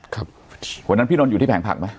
ครับวันนั้นพี่นนท์อยู่ที่แผงผักไหม